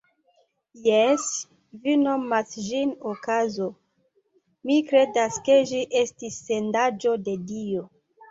Jes, vi nomas ĝin okazo, mi kredas, ke ĝi estis sendaĵo de Dio.